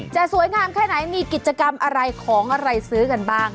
จะสวยงามแค่ไหนมีกิจกรรมอะไรของอะไรซื้อกันบ้าง